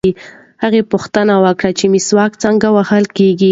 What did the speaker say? هغه پوښتنه وکړه چې مسواک څنګه وهل کېږي.